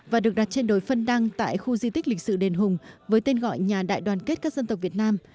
và được đặt trên đồi phân đăng tại khu di tích lịch sử đền hùng với tên gọi nhà đại đoàn kết các dân tộc việt nam